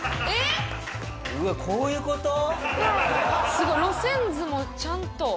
すごい。路線図もちゃんと。